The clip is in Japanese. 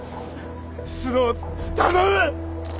須藤頼む！